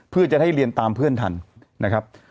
เพื่อจะได้เรียนตามเพื่อนทันนะครับ